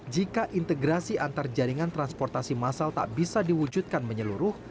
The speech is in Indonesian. jika integrasi antar jaringan transportasi masal tak bisa diwujudkan menyeluruh